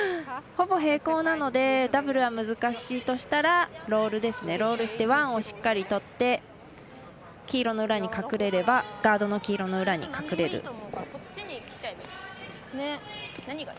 ほぼ平行なのでダブルは難しいとしたらロールしてワンをしっかり取って黄色の裏に隠れればガードの黄色の裏に隠れる。